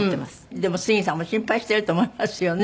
でも杉さんも心配してると思いますよね。